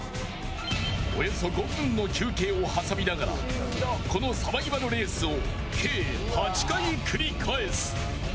およそ５分の休憩を挟みながらこのサバイバルレースを計８回繰り返す。